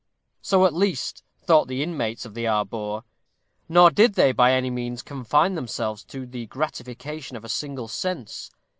So, at least, thought the inmates of the arbor; nor did they by any means confine themselves to the gratification of a single sense.